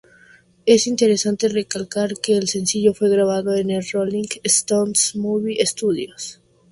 Es interesante recalcar que el sencillo fue grabado en el Rolling Stones Mobile Studio.